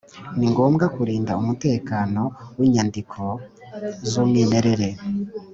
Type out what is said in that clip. Ni ngombwa kurinda umutekano w’inyandiko z’umwimerere